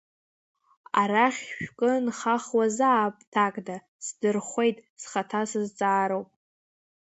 Арахь шәкы нхахуазаап ҭакда, сдырхәеит схаҭа сызҵаароуп.